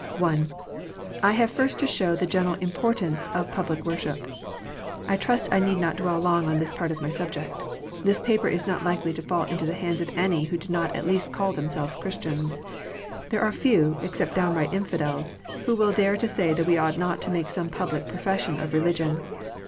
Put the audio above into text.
I. I have first to show the general importance of public worship. I trust I need not dwell long on this part of my subject. This paper is not likely to fall into the hands of any who do not at least call themselves Christians. There are few, except downright infidels, who will dare to say that we ought not to make some public profession of religion.